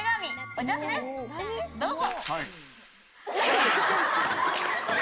どうぞ！